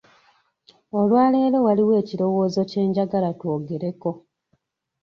Olwaleero waliwo ekirowoozo kye njagala twogereko.